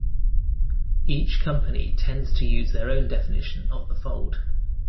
Each company tends to use their own definition of the fold.